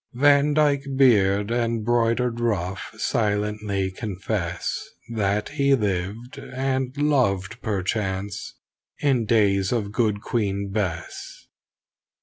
Van Dyke beard and broidered ruff silently confess That he lived and loved perchance in days of Good Queen Bess.